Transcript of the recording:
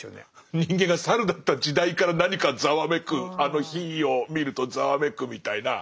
人間が猿だった時代から何かざわめく火を見るとざわめくみたいな。